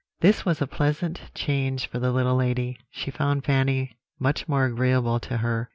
"This was a pleasant change for the little lady. She found Fanny much more agreeable to her.